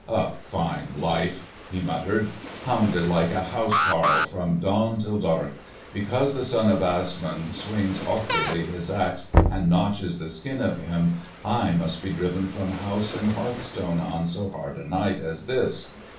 "A fine life," he muttered, "hounded like a house carle from dawn to dark. Because the son of Asmund swings awkwardly his axe and notches the skin of him, I must be driven from house and hearthstone on so hard a night as this.